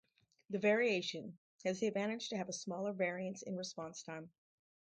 The variation has the advantage to have a smaller variance in response time.